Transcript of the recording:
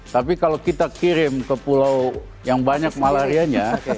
tapi kalau kita kirim ke pulau yang banyak malarianya